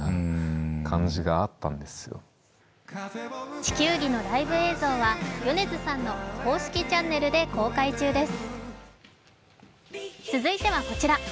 「地球儀」のライブ映像は米津さんの公式チャンネルで公開中です。